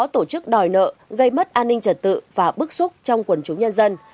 tổ chức đòi nợ gây mất an ninh trật tự và bức xúc trong quần chúng nhân dân